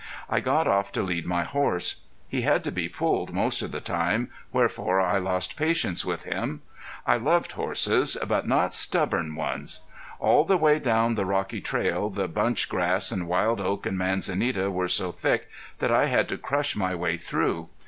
I got off to lead my horse. He had to be pulled most of the time, wherefore I lost patience with him. I loved horses, but not stubborn ones. All the way down the rocky trail the bunch grass and wild oak and manzanita were so thick that I had to crush my way through.